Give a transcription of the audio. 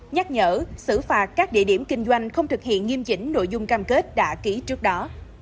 nhắc nhở xử phạt các địa điểm kinh doanh không thực hiện nghiêm chỉnh nội dung cam kết đã ký trước đó